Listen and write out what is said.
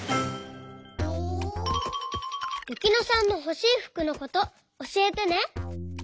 ゆきのさんのほしいふくのことおしえてね。